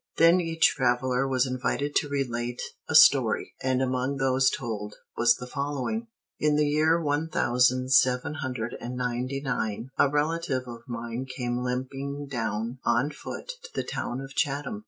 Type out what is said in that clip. '" Then each traveler was invited to relate a story, and among those told was the following.] In the year one thousand seven hundred and ninety nine, a relative of mine came limping down, on foot, to the town of Chatham.